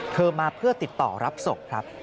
มาเพื่อติดต่อรับศพครับ